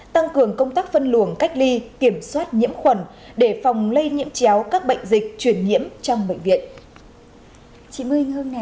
tăng cường công tác phân luồng cách ly kiểm soát nhiễm khuẩn để phòng lây nhiễm chéo các bệnh dịch chuyển nhiễm trong bệnh viện